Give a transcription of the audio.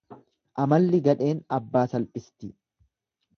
Amalli gadheen abbaa salphisti.